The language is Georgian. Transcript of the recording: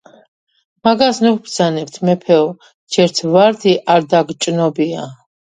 მაგას ნუ ჰბრძანებთ, მეფეო, ჯერთ ვარდი არ დაგჭნობია,